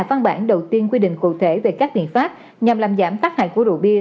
ảnh hưởng chứ